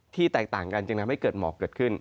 แตกต่างกันจึงทำให้เกิดหมอกเกิดขึ้น